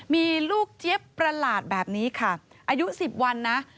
มีลูกเจี๊ยบประหลาดแบบนี้ค่ะอายุ๑๐วันนะ